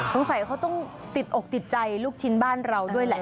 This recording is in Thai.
สงสัยเขาต้องติดอกติดใจลูกชิ้นบ้านเราด้วยแหละ